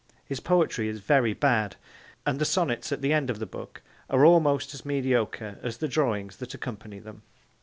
His poetry is very bad, and the sonnets at the end of the book are almost as mediocre as the drawings that accompany them.